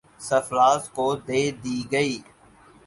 سرفراز کو دے دی گئی۔